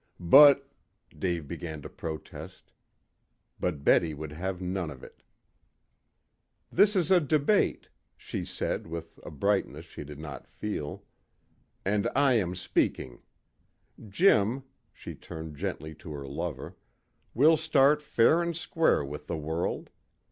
"But " Dave began to protest. But Betty would have none of it. "This is a debate," she said, with a brightness she did not feel, "and I am speaking. Jim," she turned gently to her lover, "we'll start fair and square with the world.